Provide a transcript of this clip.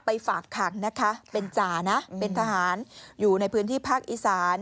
ฝากขังนะคะเป็นจ่านะเป็นทหารอยู่ในพื้นที่ภาคอีสาน